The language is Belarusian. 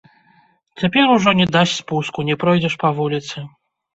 Цяпер ужо не дасць спуску, не пройдзеш па вуліцы.